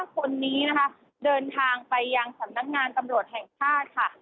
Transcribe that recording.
คนนี้นะคะเดินทางไปยังสำนักงานตำรวจแห่งชาติค่ะ